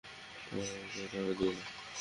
ওকে তাড়া দিও না।